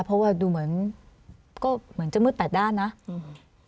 เพราะว่าดูเหมือนก็เหมือนจะมืดแปดด้านนะอืม